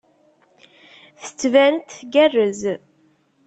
Tettban-d tgerrez.